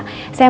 pada saat ini